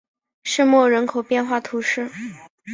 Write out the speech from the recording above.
圣莫人口变化图示